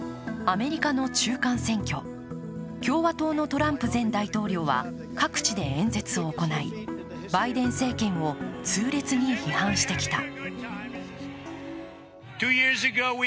アメリカの中間選挙、共和党のトランプ前大統領は各地で演説を行いバイデン政権を痛烈に批判してきた。